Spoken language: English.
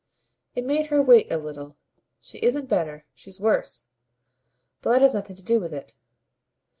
It made her wait a little. "She isn't better. She's worse. But that has nothing to do with it."